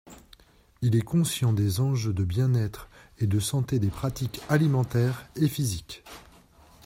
Il est conscient des enjeux de bien-être et de santé des pratiques alimentaires et physiques.